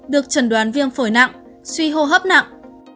được trần đoán viêm phổi nặng suy hô hấp nặng